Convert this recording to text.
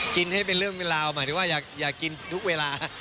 ให้เป็นเรื่องเป็นราวหมายถึงว่าอยากกินทุกเวลา